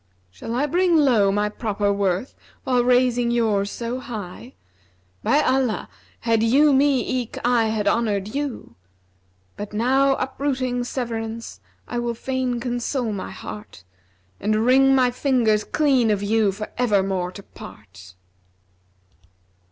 Shall I bring low my proper worth while raising yours so high? * By Allah had you me eke I had honoured you! But now uprooting severance I will fain console my heart, * And wring my fingers clean of you for evermore to part!'